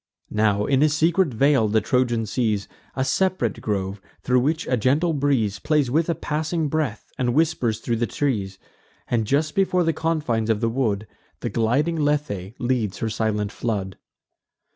Now, in a secret vale, the Trojan sees A sep'rate grove, thro' which a gentle breeze Plays with a passing breath, and whispers thro' the trees; And, just before the confines of the wood, The gliding Lethe leads her silent flood.